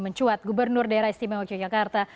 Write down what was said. mencuat gubernur daerah istimewa yogyakarta